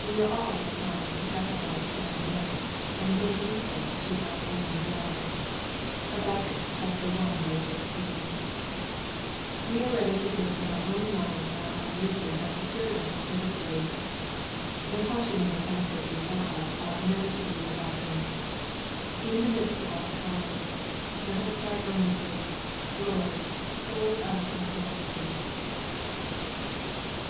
We are all inclined to sacrifice to our net, and hum incense to our own drag. (Hah. i. 16.) We are ready to think that our own might and our own wisdom have procured us the victory. The caution of the passage before us ought never to be for gotten. In the midst of our triumphs, let us cry earn estly, " Lord, clothe us with humility."